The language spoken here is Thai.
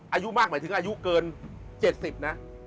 อายุมากหมายถึงอายุเกิน๗๐นะ